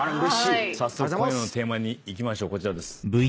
早速今夜のテーマにいきましょうこちらです。